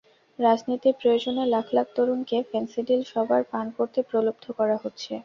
রাজনীতির প্রয়োজনে লাখ লাখ তরুণকে ফেনসিডিল শরাব পান করতে প্রলুব্ধ করা হচ্ছে।